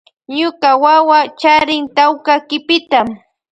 Ñuka wawa charin tawka kipita.